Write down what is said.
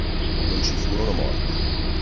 Non ci furono morti.